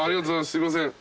すいません。